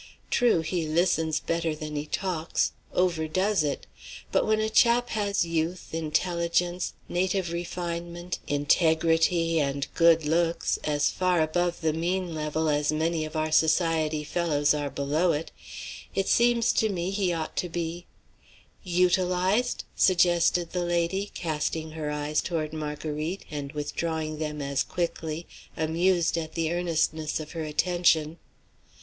True, he listens better than he talks overdoes it; but when a chap has youth, intelligence, native refinement, integrity, and good looks, as far above the mean level as many of our society fellows are below it, it seems to me he ought to be" "Utilized," suggested the lady, casting her eyes toward Marguerite and withdrawing them as quickly, amused at the earnestness of her attention.